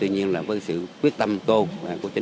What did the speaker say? anh này ở trả ở trả của ạ